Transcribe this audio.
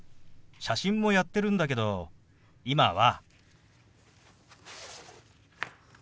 写真もやってるんだけど今は。